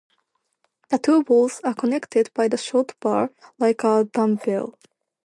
The two balls are connected by a short bar like a dumbbell.